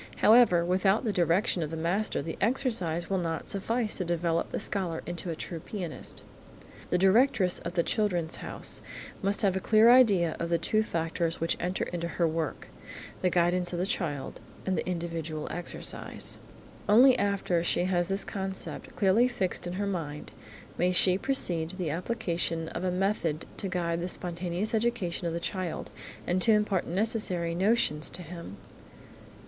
However, without the direction of the master the exercise will not suffice to develop the scholar into a true pianist. The directress of the "Children's House" must have a clear idea of the two factors which enter into her work–the guidance of the child, and the individual exercise. Only after she has this concept clearly fixed in her mind, may she proceed to the application of a method to guide the spontaneous education of the child and to impart necessary notions to him.